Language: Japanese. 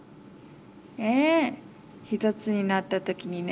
『ええ、ひとつになったときにね。